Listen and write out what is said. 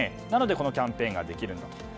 なのでこのキャンペーンができるんだと。